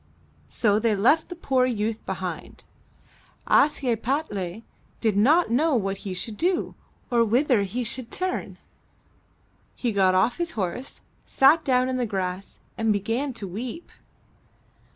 So they left the poor youth behind. Ashiepattle did not know what he should do or whither he should turn. He got off his horse, sat down in the grass and began to weep.